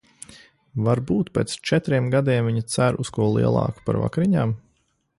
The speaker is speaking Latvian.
Varbūt pēc četriem gadiem viņa cer uz ko lielāku par vakariņām?